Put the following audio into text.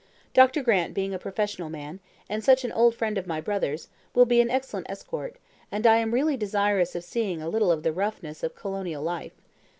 Dr. Grant being a professional man, and such an old friend of my brother's, will be an excellent escort, and I am really desirous of seeing a little of the roughness of colonial life.